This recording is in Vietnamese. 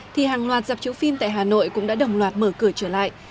thì hàng loạt dạp chữ phim tại hà nội cũng đã đồng loạt mở cửa trở lại